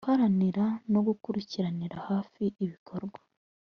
guharanira no gukurikiranira hafi ibikorwa